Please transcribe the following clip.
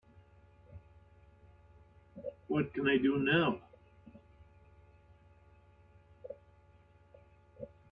what can I do now?